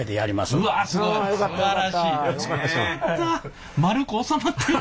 すばらしい。